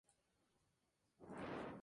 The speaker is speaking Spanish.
Además ha trabajado como traductora.